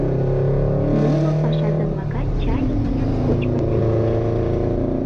Моло пашазе-влакат чайым йӱын, кочкын темыч.